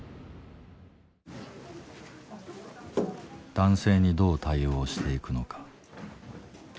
男性にどう対応していくのか。